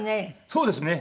そうですね。